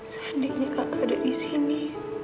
sandinya kakak ada di sini